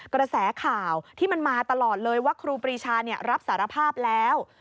กระแสข่าวที่มันมาตลอดเลยว่าครูปรีชารับสารภาพแล้ว